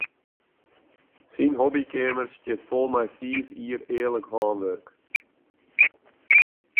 Syn hobbykeamer stiet fol mei fiif jier earlik hânwurk.